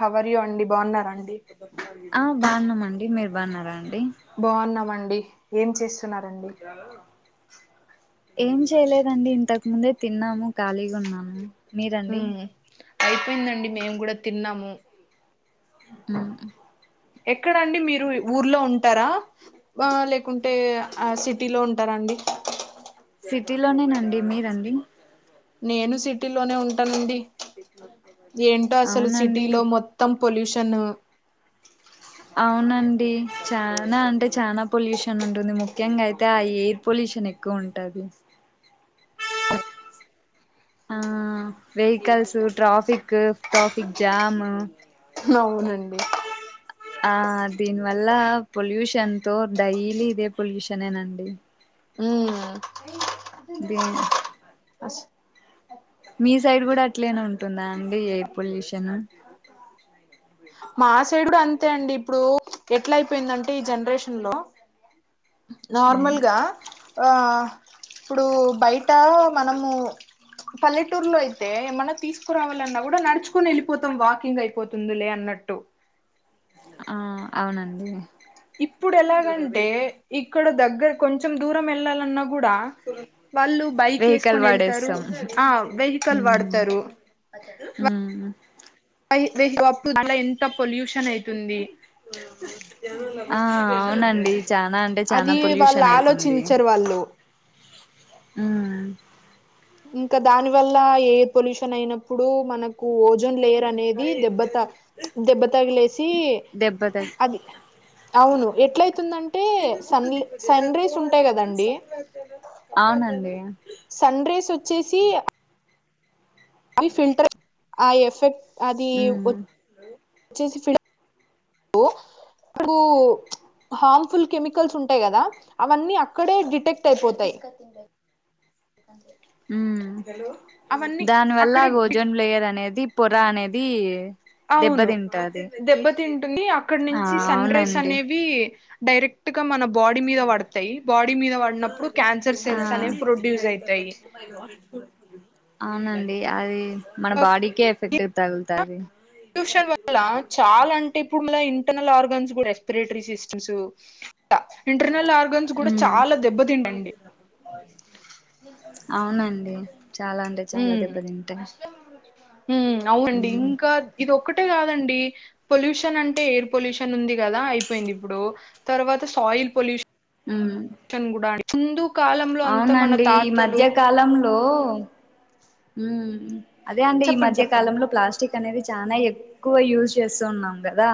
How are you అండి బాగున్నరా అండి ఆ బాగున్నామండి మీరు బాగున్నారా బాగున్నామండి ఏం చేస్త ఏం చేయలేదండి. ముందే తిన్నాము ఖాళీగా ఉన్నాము ఉ మీరండి అయిపోయిందండి మేము కూడా తిన్నాము. హు ఎక్కడ అండి మీరు ఊర్లో ఉంటారా, లేకుంటే సిటీలో ఉంటారా అండి. [inaudible] సిటీలోనేనండి మీరండి. నేను సిటీలోనే ఉంటానండి. ఏంటో అసలు అవునండి సిటీలో మొత్తం పొల్యూషన్ అవునండి చానా అంటే చానా పొల్యూషన్ ఉంటుంది. ముఖ్యంగా అయితే ఆ ఎయిర్ పొల్యూషన్ ఎక్కువ ఉంటాది ఆ వెహికల్సు, ట్రాఫిక్, ట్రాఫిక్ జామ్ అవునండి. ఆ దీనివల్ల పొల్యూషన్ తో డైలీ ఇదే పొల్యూషన్ ఏనండి ఉమ్ ఫ్రీ అయినా మీ సైడ్ కూడా అట్లనే ఉంటుందా అండి ఎయిర్ పొల్యూషన్. మా సైడు కూడా అంతే అండి ఇప్పుడు ఎట్లా అయిపోయిందంటే ఈ జనరేషన్ లో నార్మల్గా ఆ ఇప్పుడు బయట మనము పల్లెటూర్లో అయితే ఏమన్నా తీసుకురావాలన్నా కూడా నడుచుకొని వెళ్ళిపోతాం వాకింగ్ అయిపోతుందిలే అన్నట్టు అన్నట్టు ఆ అవునండి ఇప్పుడు ఎలాగంటే ఇక్కడ దగ్గర కొంచెం దూరం వెళ్ళాలన్నా కూడా వాళ్ళు బైక్ వెహికల్ వేసుకొని వెళ్తారు వాడేస్తాం ఆ వెహికల్ పడుతరు మ్మ్ హ్హ్ అట్లా ఎంత పొల్యూషన్ అయితుంది ఆ అవునండి చానా అంటే చానా అది వాళ్ళు పొల్యూషన్ అవుతుంది ఆలోచించరు వాళ్ళు హ్హ్ హ్ ఇంకా దాని వల్ల ఎయిర్ పొల్యూషన్ అయినప్పుడు మనకు ఓజోన్ లేయర్ అనేది దెబ్బత దెబ్బతగిలేసి దెబ్బ త అది అవును అవుతుందంటే సన్ రేస్ ఉంటాయి కదండి. అవునండి సన్ రేస్ వచ్చేసి అవి ఫిల్టర్ ఆ ఎఫెక్ట్ అది ఉమ్ ఒ అచ్చేసి ఫిల్ బ్ ప్చ్ హార్మ్ఫుల్ కెమికల్స్ ఉంటాయి కదా అవన్నీ ఆ అక్కడే డిటెక్ట్ అయిపోతాయి. మ్మ్ అవన్నీ దాని వల్ల అక్కడే ఓజోన్ లేయర్ అనేది పొరఅనేది అవును దెబ్బతింటుంది అక్కడ ఆ నుంచి సన రేస్ అవునండి అనేవి డైరెక్టు గా మనం బాడీ మీద పడతాయి, బాడీ మీద పడినప్పుడు క్యాన్సర్ ఆ సెల్స్ అనేవి ప్రొడ్యూస్ అవుతాయి. అవునండి అదీ ట్యూషన్ వల్ల చాలాఅంటే ఇప్పుడు మన ఇంటర్నల్ ఆర్గాన్స్ కూడా రెస్పిరేటరీ సిస్టమ్స్ ఇంకా ఇంటర్నల్ ఆర్గన్స్ కూడా ఉమ్ చాలా దెబ్బతింటాయండి అవునండి చాలా అంటే చాలా దెబ్బతింటాయి మ్మ్ అవునండి ఉమ్ ఇంకా ఇదో ఒకటే కాదండి పొల్యూషన్ అంటే ఎయిర్ పొల్యూషన్ ఉంది కదా అయిపోయింది ఇప్పుడు తర్వాత సౌండ్ ఆయిల్ పొల్యూషన్. ఉమ్ హిందూ కాలంలో అంత మన అవునండి ఈ తాతలు మ్మ్ అదే అండి ఈ చెప్పండి మధ్య చెప్పండి కాలంలో ప్లాస్టిక్ అనేది చానా ఎక్కువ యూజ్ చేస్తు ఉన్నాం కదా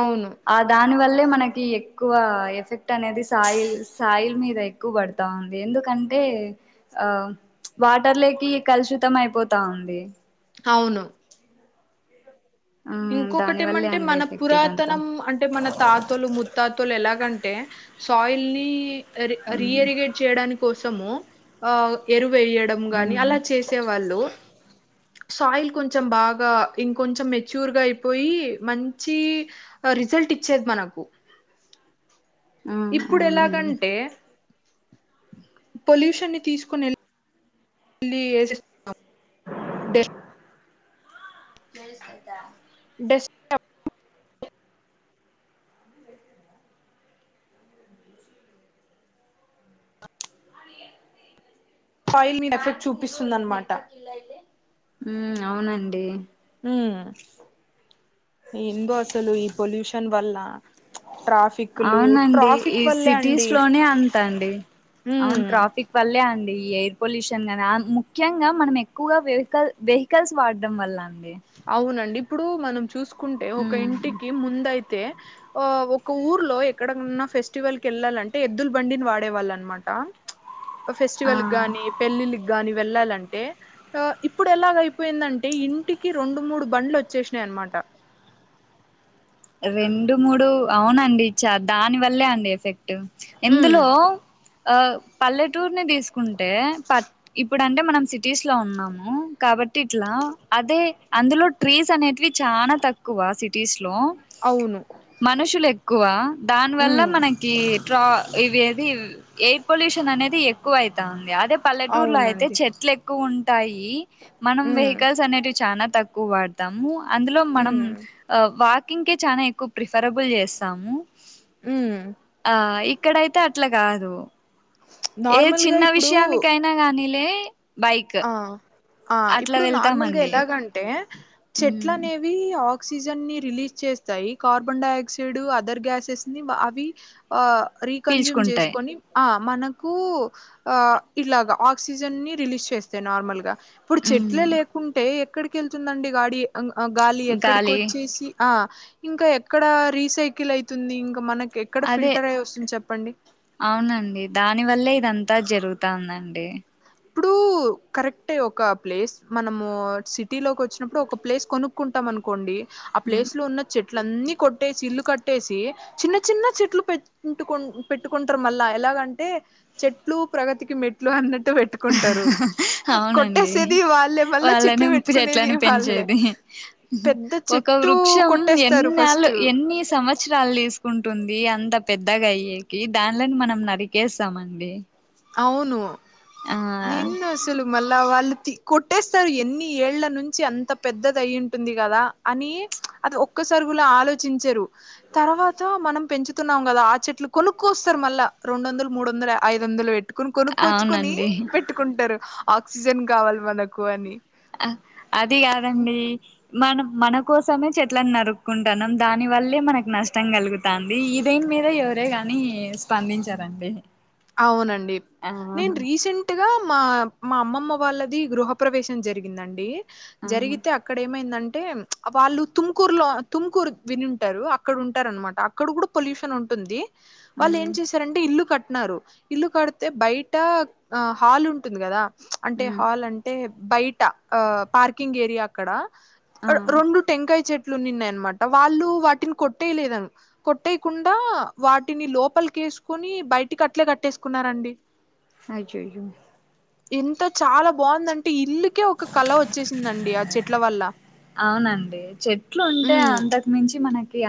అవును ఆ దానివల్ల మనకీ ఎక్కువా ఎఫెక్ట్ అనేది సాయిల్ సాయిల్ మీద ఎక్కువ పడతా ఉంది ఎందుకంటే టే ఆ ప్చ్ వాటర్ లేక ఇగా కలుషితం అయిపోతా ఉందీ అవును మ్మ్ దాని ఇంకొకటి వల్లే ఏమంటే అండి మన ఎఫెక్ట్ ఇదంతా పురాతనము అంటే మన తాతలు ముత్తాతలు ఎలాగంటే టే సాయిల్ నీ రీ మ్మ్ రియారిగ్రేట్ చేయడాని కోసము ఎరువు వేయడం గానీ మ్మ్ అలా చేసే వాళ్ళూ సో అయిల్ కొంచెం బాగా ఇంకా కొంచెం స్యూర్ గా అయిపోయీ మంచీ రిజల్ట్ ఇచ్చేది మనకు ఆ ఇప్పుడు అవునండి ఎలాగంటే పొల్యూషన్ని తీసుకొని ఎల్ ఇళ్ళీ ఏసెస్ గా [unintelligible] డే బెస్ట్ [unintelligible] అదియే యిల్ మీద ఎఫెక్ట్ చూపిస్తుందన్న మాట మ్మ్ అవునండీ మ్మ్ ఏందో అసలు ఈ పొల్యూషన్ వల్లా అవునండీ ఈ వల్లే సిటీస్ అండి లోనే అంతండీ అవును ఉమ్ ట్రాఫిక్ వాళ్ళే అన్ ఈ ఎయిర్ పొల్యూషన్ దినామ్ ముఖ్యంగా మనం ఎక్కువగా వెవికల్ వెహికల్స్ వాడం వల్లా అవునండి ఇప్పుడు మనం చూసుకుంటే ఒక మ్మ్ ఇంటికి ముందయ్ అయితే ఆ ఒక ఊర్లో ఎక్కడన్నా ఫెస్టివల్ కి వెళ్ళాలంటే ఎద్దుల బండిని వాడేవాళ్ళనమాట ఫెస్టివల్ ఆ గాని పెళ్ళిళ్కి గాని వెళ్ళాలన్ అంటే ఇప్పుడు ఎలాగ అయిపోయిందంటే ఇన్ ఇంటికి రెండు మూడు బండ్లు వచ్చేసినాయి అనమాట రెండు మూడు అవునండీ చ్చ దాని వల్లే అండీ ఎఫెక్ట్ ఉమ్ ఇందులో పల్లెటూరుని తీసుకుంటే పట్ ఇ ఇప్పుడు అంటే మనం సిటీస్ లో ఉన్నాము కాబట్టి ఇట్లా అదే అందులో ట్రీస్ అనేటివి చా చాన తక్కువ సిటీస్ లో అవును మనుషులు ఎక్కువ దాని వల్ల ఉమ్ మనకీ ట్రా ఇవి ఏది ఎయిర్ పొల్యూషన్ అనేది ఎక్కువ అయితాంది యాదో పల్లెటూరులో అయితే అవునండి చెట్లు ఎక్కువ ఉంటాయి మనం ఉమ్ వెహికల్స్ అనేటివి చానా తక్కువ వాడతాము అందులో మనం ఉమ్ వాకింగ్ కీ చానా ఎక్కువ ప్రిఫరబుల్ చేస్తామూ ఉమ్ ఆ ఇక్కడయితే అట్ల గాదు ఏ నార్మల్గా చిన్న ఇప్పుడు విషయానికైనా గానీలే బైక్ ఆ ఆ అట్లా ఇప్పుడు నార్మల్గా వెళ్తామండి ఎలాగంటే చెట్ల ఉమ్ అనేవీ ఆక్ ఆక్సిజన్ని రిలీజ్ చేస్తాయి కార్బన్ డైఆక్సైడ్ అదర్ గ్యాసెస్ ని అవీ ఆ రీకన్జ్యూమ్ పీల్చుకుంటాయి చేసుకొని అ మనకూ ఆ ఇలాగ ఆక్సిజన్ ని రిలీజ్ చేస్తాయి నార్మల్గా ఇప్పుడు చెట్లే ఉమ్ లేకుంటే ఎక్కడికి ఎళ్తుందండి గాడి గాలి ఎక్కడికి గాలి వొచ్చేసి ఆ ఇంకా ఎక్కడ రీసైకిల్ అయితుంది ఇంకా మనకి ఎక్కడ ఫిల్టర్ అయ్యి వస్తుంది చెప్పండి అవునండీ దాని వల్లే ఇదంతా జరుగుతాందాండి ఇప్పుడూ కరెక్టే గా ఒక ప్లేస్ మనమూ సిటీ లోకి వచ్చినప్పుడు ఒక ప్లేస్ కొనుక్కుంటాం అనుకోండీ ఆ ప్లేస్ లో ఉన్న చెట్లన్నీ కొట్టేసి ఇల్లు కొట్టేసీ చిన్న చిన్న చెట్లు పెట్టుకు పెట్టుకుంటారు మళ్ళా ఎలాగంటే చెట్ చెట్లూ ప్రగతికి మెట్లు అన్నట్ ట్టు పెట్టుకుంటరు అవునండి కొట్టేసేది వాళ్ళే మళ్ళా చెట్లు వాళ్ళని పెట్టుకునేది చెట్లను వాళ్ళే పెంచేది పెద్ద ఒక చెట్టు వృక్షం కొట్టేస్తారు ఎన్నాళ్లు ఫస్ట్ ఎన్నీ సంవత్సరాలు తీసుకుంటుందీ అంత పెద్దగా అయ్యేకి దాన్లాని మనం నరికేస్తామండీ అవును నిన్న అసులు మళ్ళ వాళ్ళు తీ కొట్టేస్తారు ఎన్ని ఏళ్ళ నుంచి అంత పెద్దది అయి ఉంటుంది కదా అని అది ఒక్కసారి ఆలోచించరు తర్వాత మనం పెంచుతున్నాం కదా ఆ చెట్లు కొనుక్కొస్తారు మళ్ళా రెండు రెండు వందలు మూడు వందలు ఐదు వందలు పెట్ట్ కొనుక్కోచ్చుకొని అవునండి పెట్టుకుంటారు ఆక్సిజన్ కావాలి మనకు అని ఆ అది కాదండి మనం మన కోసమే చెట్లలను నరుక్కుంటాన్నాం దాని వల్లే మనకు నష్టం కలుగుతాంది ఇ దని మీద ఎవరే గాని స్పందించారండి అవునండి నేను ఆ రీసెంట్గా మా మా అమ్మమ్మ వాళ్ళది గృహ ప్రవేశం జరిగిందండి ఆహా జరిగితే అక్కడ ఏమైందం అంటే వాళ్ళు తుమ్కూర్లో తుమ్కూరు వినింటారు అక్కడ ఉంటారునమాట అక్కడ కూడా పొల్యూషన్ ఉంటుంది ఆ వాళ్ళు ఏం చేసారంటే ఇల్లు కట్టినన్నారు ఇల్లు కడితే బయట ఆ హాల్ ఉంటుంది కదా అంటే ఉమ్ హాల్ అంటే బయట ట పార్కింగ్ ఏరియా అక్కడ ఆ రెండు టెంకాయ చెట్ నిన్నాయనమాట వాళ్ళు వాటిని కొట్టేయలేద కొట్టేయకుండా వాటిని లోపలికి తీసుకుని బయటికి అట్లే కట్లేసుకున్నండి అయ్యయ్యో ఎంత చాలా బాగుందంటే ఇల్లుకే ఒక కళ వచ్చేసిందండి ఆ చెట్ల వల్ల అవునండి చెట్లు ఉంటే ఉమ్ అంతకు మించంచి మనకే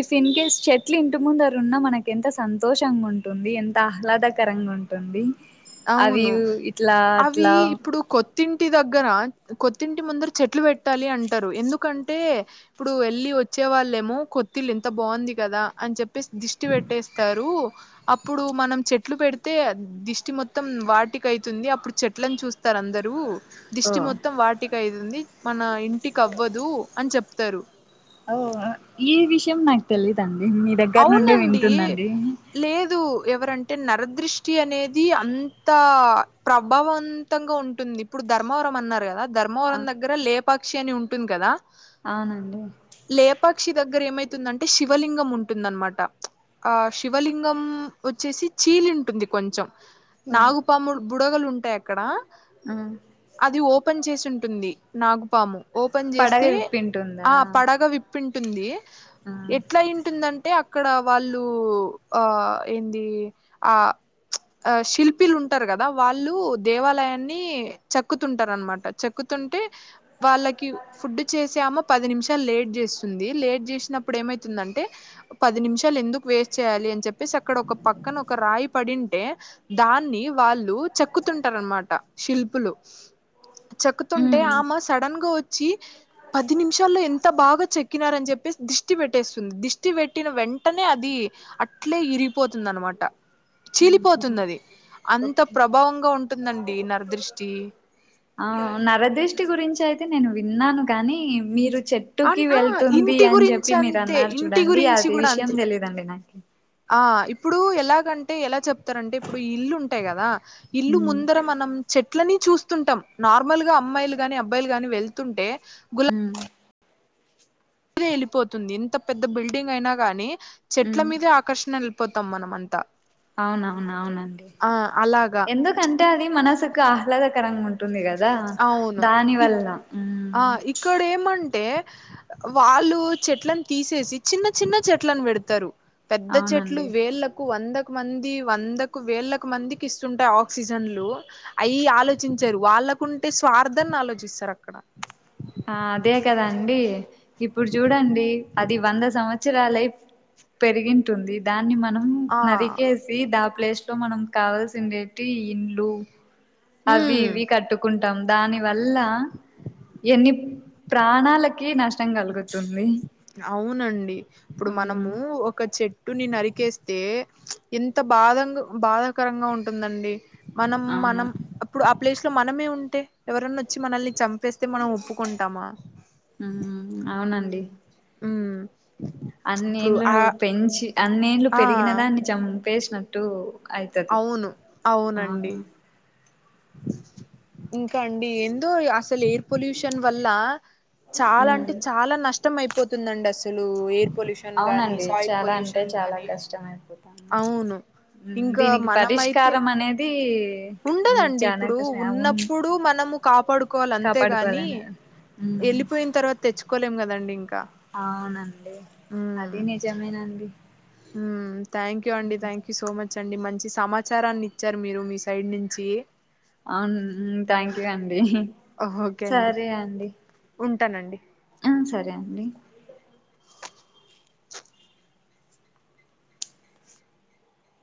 ఇఫ్ ఇన్ కేేస్ చెట్లు ఇంటి ముంద ఉన్నా మనకి ఎంత సంతోషంగా ఉంటుంది ఎంత లాదాకరంగా ఉంటుంది అవి అవును ఇట్లా అవి అట్లా ఇప్పుడు కొత్తిం టి దగ్గర కొత్తింటి ముందర చెట్లు పెట్టాలి అంటారు ఎందుకంటే ఇప్పుడు వెళ్ళి వచ్చే డే వాళ్ళేమో కొత్తిలు ఎంత బాగుంది కదా అని చెప్పేసి దిష్టి పెట్టేస్తారు అప్పుడు మనం చెట్లు పెడితే దిష్టి మాత్ మొత్తం వాటిక అవుతుంది అప్పుడు చెట్లను చూస్తారు అందరు ఓ దిష్టి మొత్తం వాటిక అవుతుంది మన ఇంటికి అవ్వదు అని చెప్తారు ఓ ఈ విషయం నాకు తెలీదండి మీ దగ్గర నుండి అవునండి వింటుందండి లేదు ఎవరంటే నరదృష్టి అనేది అంత ప్రభావవంతంగా ఉంటుంది ఇప్పుడు ధర్మవరం అన్నారు కదా ఆ ధర్మవరం దగ్గర లేపాక్షి అని ఉంటుంది కదా అవునండి దగ్గరేమవుతుందంటే శిలింగం ఉంటంది ఉంటుందనమాట ఆ శివలింగం వచ్చేసి చీలి ఉంటుంది కొంచెం ఓ నాగుపాము బుడగలూన్టాయి అక్కడ ఆ అది ఓపెన్ చేసి తుంది నాగుపాము ఓపెన్ పడగ చేస్తే విప్పింటుందా ఆ పడగా విప్పి ఉంటుంది ఆ ఎట్లా అయినటుదంటే అంటే అక్కడ వాళ్ళు ఆ ఏంది ఆ ఆ శిల్పిలు ఉంటారు కదా వాళ్ళు దేవాలయాన్ని చక్కుతుంటారు అనమాట చెక్కుతు తింటే వాళ్ళకి ఫుడ్ చేసామో పది నిమిషాలు లేట్ చేస్తుంది లేట్ చేసినప్పుడు ఏమై వుతుందంటే పది నిమిషాలు ఎందుకు వేస్ట్ చేయాలి అని చెప్పేసి అక్కడ ఒక పక్కన ఒక రాయి పడింటే దాన్ని వ వాళ్ళు చెక్కుతుంటార అన్నమాట శిల్పులు చక్కుతుంటే ఉమ్ ఆమె సడన్ గా వో చి పది నిమిషాల్లో ఎంత బాగా చెక్కినారని చెప్పేసి దిష్టి పెట్టేస్తుంది దిష్టి పెట్ పట్టిన వెంటనే అది అట్లే ఇరిగిపోతుంది అనమాట ఉహు చీలిపోతుంది అది అంత ఓకే ప్రభావంగా ఉంటుందండి నరదృష్టి ఆ నరదిష్టి గురించి అయితే నేను విన్నాను గాని మీరు చెట్టుకి అన్ ఆ వెళ్తుంది ఇంటి అని గురించి చెప్పి మీరు అంతే అన్నారు ఇంటి చూడండి గురించి అది కూడా విషయం అంతే తెలిదండి నాకు ఆ ఇప్పుడు ఎలాగంటే ఎలా చెప్తారంటే ఇప్పుడు ఈ ఇల్లు ఉంటాయి కదా ఇల్లు ఉమ్ ముందర మనం చెట్లని చూస్ తుంటాం నార్మల్ గా అమ్మాయిలు గాని అబ్బాయిలు గాని వెళ్తుంటే హ ద వెళ్లిపోతుంది ఇంత పెద్ద బిల్డింగ్ అయినా గాని చెట్ల ఉమ్ మీదే ఆకర్షణ పోతాం మనం అంతా అవునవున అవునండి ఆ అలాగా ఎందుకంటే అది మనసుకు ఆహ్లాదకరంగా ఉంటుంది కదా అవును దాని ఇ వల్ల ఉమ్ ఆ ఇక్కడ ఏమంటే వాళ్ళు చెట్లను తీసేసి చిన్న చిన్న చెట్లను పెడతారు పెద్ద చెట్లు అవునండి వేళ్లకు వంద మంది వందకు వేలకు మందికి ఇస్తుంటాయి ఆక్సిజన్లు అయి ఆలోచించరు వాళ్ళకుంటే స్వార్థాన్ని ఆలోచిస్తారు అక్కడ ఆ అదే కదా అండి ఇప్పుడు చూడండి అది ఇది వంద సంవత్సరాలై పెరిగింటుంది దాన్ని మనం ఆ నరికేసి దా ప్లేస్ లో మనం కావాల్సిందే ఇండ్లు అవి ఉమ్ ఇవి కట్టుకుంటే దాని వల్ల ఎన్ని ప్రాణాలకి నష్టం కలుగుతుంది అవునండి ఇప్పుడు మ్మ్ మనము ఒక చెట్ చట్టుని నరికేస్తే ఎంత బాధ బాధాకరంగా ఉంటుందండి మనం అవును మనం అప్పుడు ఆ ప్లేస్ లో మనమే ఉంటే ఎవరన్నా వచ్చి మనల్ని చం తప్పేస్తే మనం ఒప్పుకుంటామా మ్మ్ అ అన్నింలు పెంచి అన్నింలు ఆ పెరిగిన దాన్ని చంపేసినట్టు అయితది అవును ఆ అవునండి ఇంకా అండి ఏందో అసలు ఏర్ పొల్యూషన్ వల్ల చాలా అంటే మ్మ్ చాలా నష్టం అయిపోతుందండి అసలు పొల్యూషన్ గానీ అవునండి సాయిల్ చాలా అంటే పొల్యూషన్ చాలా గానీ కష్టమ అయిపోతాను అవును ఇంకా దీనికి మనమైతే పరిష్కారం అనేది ఉమ్, ఉండదండి చాలా ఇప్పుడు కష్టం అవును, ఉన్నప్పుడు మనము కాపాడుకోవాలి అంతేగాని కాపాడుకోవాలని ఉమ్, వెళ్ళలిపోయిన తర్వాత తెచ్చుకోలేం కదా అవునండి అది నిజమేనండి థ్యాక్ యూ అండి థ్యాంక్ యూ సో మచ్ వచ్చండి మంచి సమాచారాన్ని ఇచ్చారు మీరు మీ సైడ్ నుంచి అవును థ్యాంక్ యూ అండి సరే అండి ఉంటానండి ఆ సరే అండి